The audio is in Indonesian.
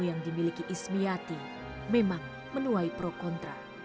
yang dimiliki ismiati memang menuai pro kontra